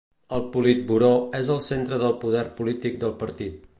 El Politburó és el centre del poder polític del Partit.